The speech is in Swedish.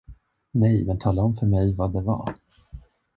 Nej, men tala om för mig, vad det var.